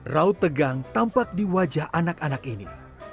raut tegang tampak di wajah anak anak ini